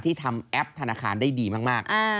ทำแอปธนาคารได้ดีมาก